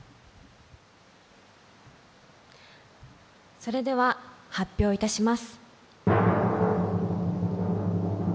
それでは発表いたします。